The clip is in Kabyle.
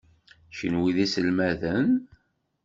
Kenwi d iselmaden?